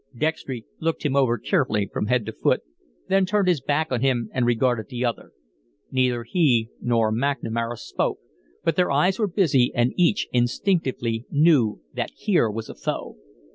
Dextry looked him over carefully from head to foot, then turned his back on him and regarded the other. Neither he nor McNamara spoke, but their eyes were busy and each instinctively knew that here was a foe.